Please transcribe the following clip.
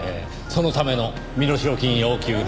そのための身代金要求です。